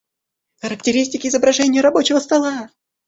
Характеристики изображения рабочего стола